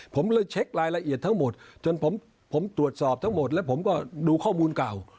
ผมเลยเช็ครายละเอียดทั้งหมดจนผมตรวจสอบทั้งหมดแล้วผมก็ดูข้อมูลเก่า